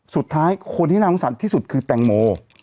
สุดท้ายคนที่น่างกุศัลที่สุดคือแตงโม